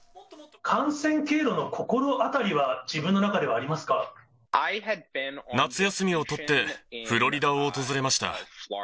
感染経路の心当たりは、夏休みを取って、フロリダを訪れました。